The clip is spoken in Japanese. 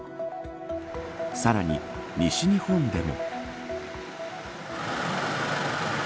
さらに、西日本でも。